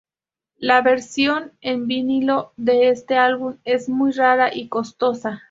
La versión en vinilo de este álbum es muy rara y costosa.